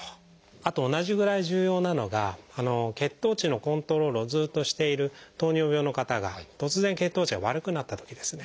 あと同じぐらい重要なのが血糖値のコントロールをずっとしている糖尿病の方が突然血糖値が悪くなったときですね。